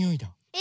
え